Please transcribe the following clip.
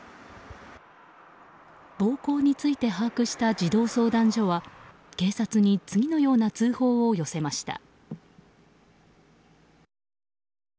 暴行について把握した児童相談所は警察に次のような通報を寄せました。